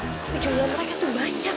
tapi jumlah mereka tuh banyak